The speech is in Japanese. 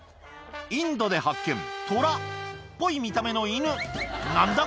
インドで発見トラっぽい見た目の犬何だ？